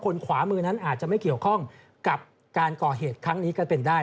ขวามือนั้นอาจจะไม่เกี่ยวข้องกับการก่อเหตุครั้งนี้ก็เป็นได้